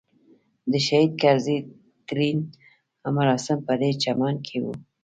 د شهید کرزي تلین مراسم په دې چمن کې وو.